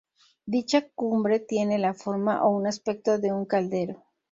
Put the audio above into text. Dicha cumbre tiene la forma o un aspecto de un caldero.